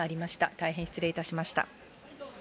大変失礼いたしました。